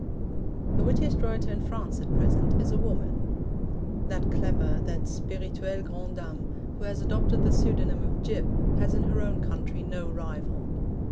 The wittiest writer in France at present is a woman. That clever, that spirituelle grande dame, who has adopted the pseudonym of 'Gyp,' has in her own country no rival.